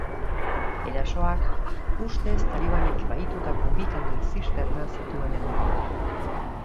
Erasoak ustez talibanek bahitutako bi kamioi zisterna zituen helmuga.